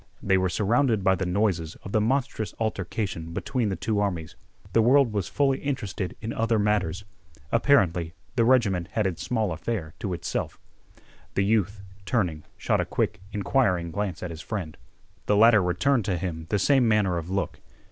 They were surrounded by the noises of the monstrous altercation between the two armies. The world was fully interested in other matters. Apparently, the regiment had its small affair to itself. The youth, turning, shot a quick, inquiring glance at his friend. The latter returned to him the same manner of look.